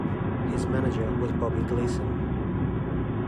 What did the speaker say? His manager was Bobby Gleason.